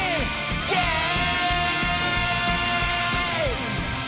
イエーイ！